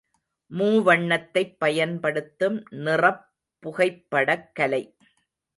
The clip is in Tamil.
மூவண்ணத்தைப் பயன்படுத்தும் நிறப் புகைப்படக்கலை.